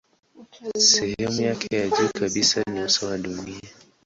Sehemu yake ya juu kabisa ni uso wa dunia.